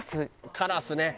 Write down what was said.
カラスね。